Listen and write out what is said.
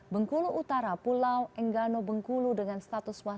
bengkulu utara pulau enggano bengkulu dengan status waspada